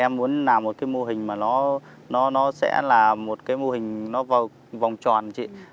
em muốn làm một cái mô hình mà nó sẽ là một cái mô hình nó vào vòng tròn chị